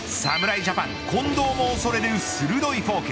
ジャパン近藤も恐れる鋭いフォーク。